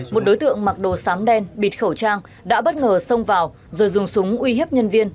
một đối tượng mặc đồ sám đen bịt khẩu trang đã bất ngờ xông vào rồi dùng súng uy hiếp nhân viên